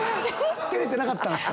照れてなかったんすか？